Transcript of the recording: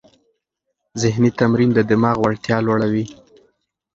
ذهني تمرین د دماغ وړتیا لوړوي.